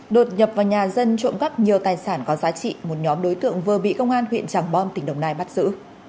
đột nhập vào nhà dân trộm cắp nhiều tài sản có giá trị một nhóm đối tượng vừa bị công an huyện tràng bom tỉnh đồng nai bắt giữ